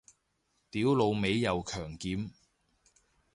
屌老味又強檢